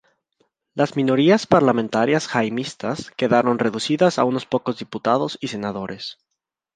Las minorías parlamentarias jaimistas quedaron reducidas a unos pocos diputados y senadores.